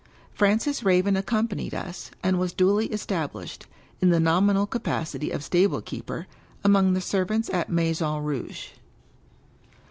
Francis Raven accompanied us, and was duly established, in the nominal capacity of stable keeper, among the servants at Maison Rouge.